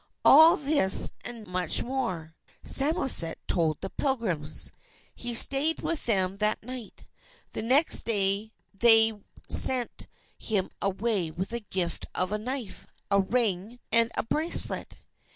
All this and much more, Samoset told the Pilgrims. He stayed with them that night. The next day they sent him away with a gift of a knife, a ring, and a bracelet.